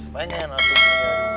pengen atuh nikah juga